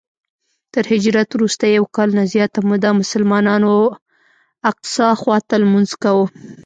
تر هجرت وروسته یو کال نه زیاته موده مسلمانانو الاقصی خواته لمونځ کاوه.